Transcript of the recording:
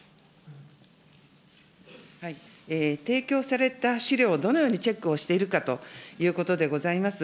提供された資料をどのようにチェックをしているかということでございます。